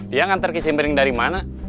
dia ngantar kecimpring dari mana